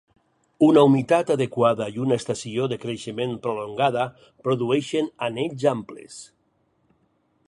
Una humitat adequada i una estació de creixement prolongada produeixen anells amples.